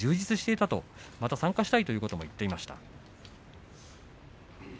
また合同稽古に参加したいということを言ってました。